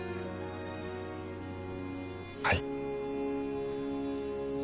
はい。